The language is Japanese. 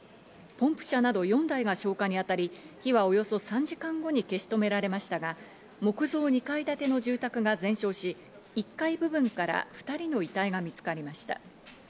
ポンプ車など４台が消火にあたり、火はおよそ３時間後に消し止められましたが、木造２階建ての住宅が全焼し、１階部分から２人の遺体が見つかりました。